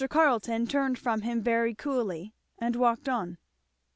Carleton turned from him very coolly and walked on.